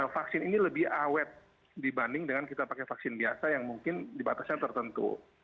vaksin ini lebih awet dibanding dengan kita pakai vaksin biasa yang mungkin dibatasnya tertentu